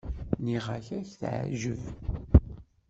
Nniɣ-ak ad k-teɛjeb.